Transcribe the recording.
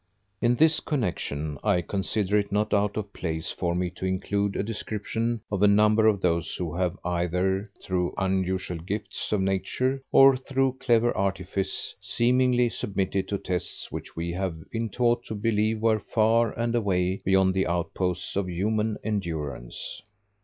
In this connection I consider it not out of place for me to include a description of a number of those who have, either through unusual gifts of nature or through clever artifice, seemingly submitted to tests which we have been taught to believe were far and away beyond the outposts of human endurance.